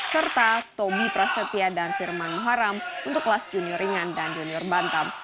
serta tobi prasetya dan firman muharam untuk kelas junior ringan dan junior bantam